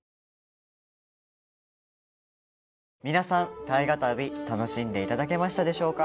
皆さん「大河たび」楽しんでいただけましたでしょうか。